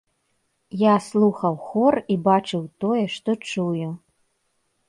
Я слухаў хор і бачыў тое, што чую.